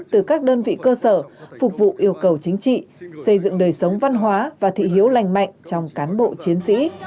từ các đơn vị cơ sở phục vụ yêu cầu chính trị xây dựng đời sống văn hóa và thị hiếu lành mạnh trong cán bộ chiến sĩ